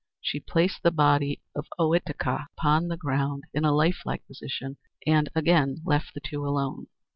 She placed the body of Ohitika upon the ground in a life like position and again left the two alone.